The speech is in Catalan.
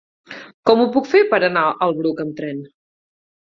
Com ho puc fer per anar al Bruc amb tren?